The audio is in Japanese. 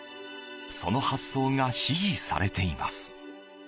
その発想が支持されています。